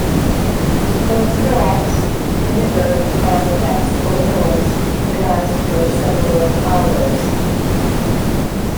Those talks, delivered without text or notes, could last for several hours.